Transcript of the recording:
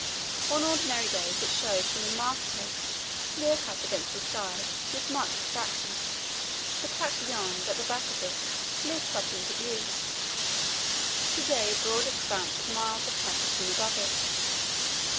On ordinary days it shows from the mast head, clear cut against the sky; with much refraction, the pack beyond at the back of it lifts up into view; to day a broad expanse of miles of pack is seen above it.